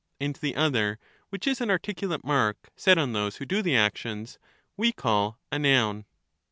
And the other, which is an articulate mark set on those who do the actions, we call a noun.